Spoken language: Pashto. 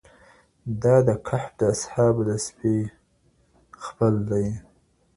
دا د کهف د اصحابو د سپي خپل دی